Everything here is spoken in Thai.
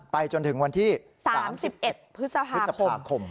จนถึงวันที่๓๑พฤษภาคม